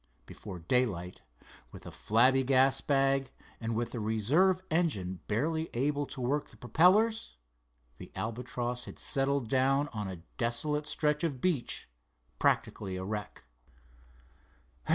Before daylight, with a flabby gas bag and with the reserve engine barely able to work the propellers, the Albatross had settled down on a desolate stretch of beach, practically a wreck.